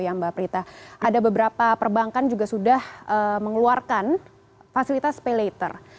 ya mbak prita ada beberapa perbankan juga sudah mengeluarkan fasilitas paylater